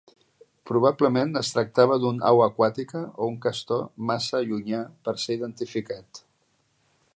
Probablement es tractava d'un au aquàtica o un castor massa llunyà per ser identificat.